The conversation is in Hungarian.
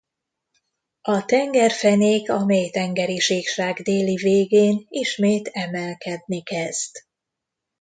A tengerfenék a mélytengeri síkság déli végén ismét emelkedni kezd.